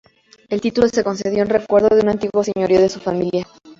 El título se concedió en recuerdo de un antiguo señorío de su familia.